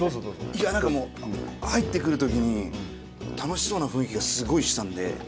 いや何かもう入ってくる時に楽しそうな雰囲気がすごいしたんで。